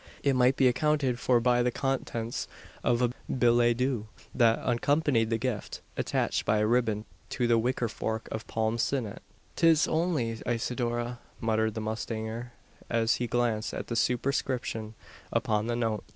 It might be accounted for by the contents of a billet doux, that accompanied the gift attached by a ribbon to the wickerwork of palm sinnet. "'Tis only Isidora!" muttered the mustanger, as he glanced at the superscription upon the note.